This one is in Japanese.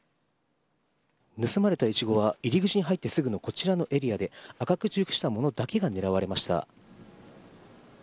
盗まれたイチゴは入り口に入ってすぐのこちらのエリアで赤く熟したものだけが狙われました。